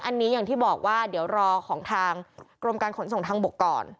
อันนี้อย่างที่บอกว่าเดี๋ยวรอของทางกรมการขนส่งทางบกก่อน